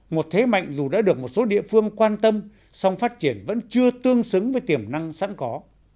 một thế mạnh dù đã được một số địa phương quan tâm song phát triển vẫn chưa tương xứng với tiềm năng sẵn có